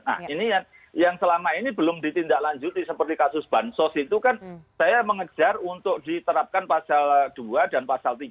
nah ini yang selama ini belum ditindaklanjuti seperti kasus bansos itu kan saya mengejar untuk diterapkan pasal dua dan pasal tiga